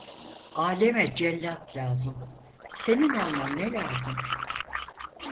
Aleme cellat lazım; senin olman ne lazım?